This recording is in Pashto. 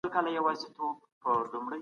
د خلګو عقیده د سیاسي وسیلې په توګه مه کاروئ.